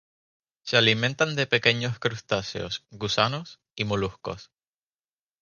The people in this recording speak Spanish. Se alimentan de pequeños crustáceos, gusanos y moluscos.